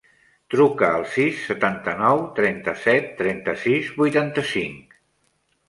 Truca al sis, setanta-nou, trenta-set, trenta-sis, vuitanta-cinc.